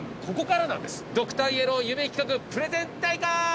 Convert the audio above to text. ドクターイエロー夢企画プレゼン大会！